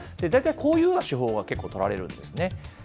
大体こういうような手法が結構取られるんですね。